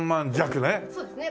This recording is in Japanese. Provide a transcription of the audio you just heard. そうですね。